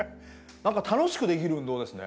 何か楽しくできる運動ですね。